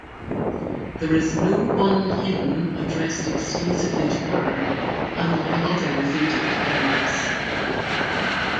There is no one hymn addressed exclusively to her, unlike other Vedic gods.